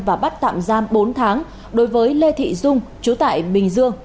và bắt tạm giam bốn tháng đối với lê thị dung chú tại bình dương